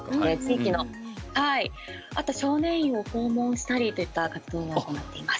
あと少年院を訪問したりといった活動を行っています。